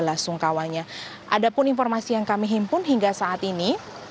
ada pun informasi yang kami himpun hingga saat ini